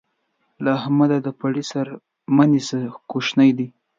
له احمده د پړي سر مه نيسه؛ کوشنی دی.